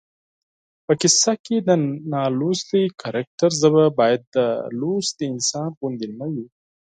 په کیسه کې د نالوستي کرکټر ژبه باید د لوستي انسان غوندې نه وي